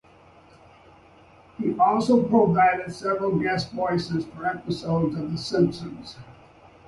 He also provided several guest voices for episodes of The Simpsons.